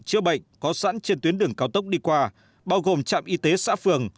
chữa bệnh có sẵn trên tuyến đường cao tốc đi qua bao gồm trạm y tế xã phường